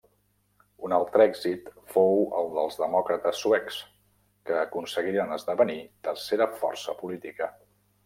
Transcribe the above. Un altre èxit fou el dels Demòcrates Suecs, que aconseguiren esdevenir tercera força política.